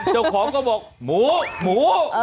เจ้าของก็บอกหมูหมู